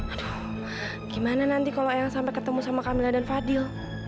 aduh bagaimana nanti kalau ayang sampai ketemu dengan kamila dan fadil